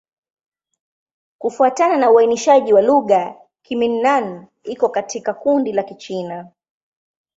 Kufuatana na uainishaji wa lugha, Kimin-Nan iko katika kundi la Kichina.